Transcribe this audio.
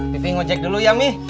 pipi ngajek dulu ya mi